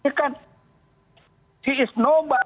dia bukan seseorang